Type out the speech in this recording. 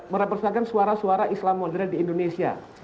merepresentasikan suara suara islam moderat di indonesia